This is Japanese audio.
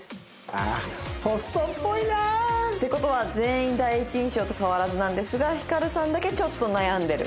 ああホストっぽいな。って事は全員第一印象と変わらずなんですがヒカルさんだけちょっと悩んでる。